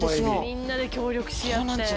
みんなで協力し合って。